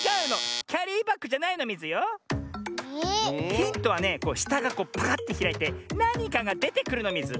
ヒントはねこうしたがパカッてひらいてなにかがでてくるのミズ。